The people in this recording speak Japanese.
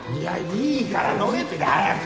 いいから乗れって早く。